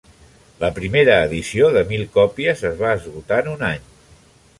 La primera edició de mil còpies, es va esgotar en un any.